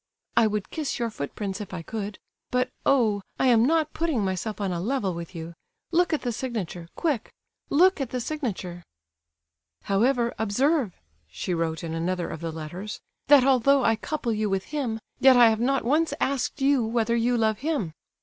I would kiss your footprints if I could; but, oh! I am not putting myself on a level with you!—Look at the signature—quick, look at the signature!" "However, observe" (she wrote in another of the letters), "that although I couple you with him, yet I have not once asked you whether you love him.